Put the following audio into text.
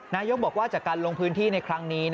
นายกบอกว่าจากการลงพื้นที่ในครั้งนี้